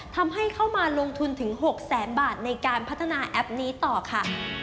เข้ามาลงทุนถึง๖แสนบาทในการพัฒนาแอปนี้ต่อค่ะ